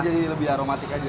jadi lebih aromatik aja